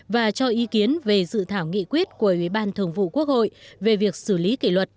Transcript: và cho ý kiến về dự thảo nghị quyết của ủy ban thường vụ quốc hội về việc xử lý kỷ luật